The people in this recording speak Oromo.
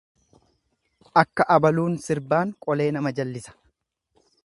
Akka abaluun sirbaan qolee nama jallisa.